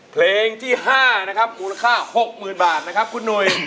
เพลงที่๕นะครับมูลค่า๖๐๐๐บาทนะครับคุณหนุ่ย